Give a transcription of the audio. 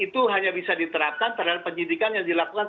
itu hanya bisa diterapkan terhadap penyidikan yang dilakukan